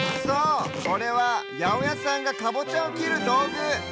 そうこれはやおやさんがかぼちゃをきるどうぐ。